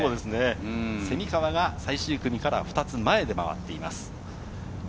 蝉川が最終組から２つ前で回っています。